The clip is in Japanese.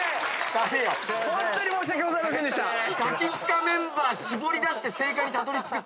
ガキ使メンバー絞り出して正解にたどりつくって何よ。